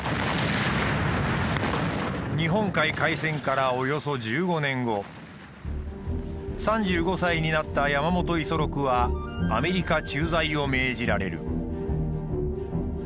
日本海海戦からおよそ１５年後３５歳になった山本五十六はアメリカ駐在を命じられる。